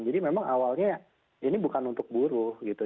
jadi memang awalnya ini bukan untuk buruh gitu